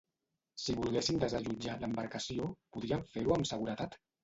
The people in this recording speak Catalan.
Si volguessin desallotjar l'embarcació, podrien fer-ho amb seguretat?